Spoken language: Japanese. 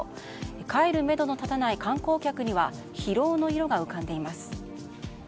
帰るめどの立たない観光客には疲労の色が浮かんでいます。